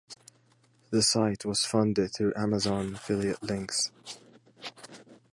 The site was funded through Amazon affiliate links.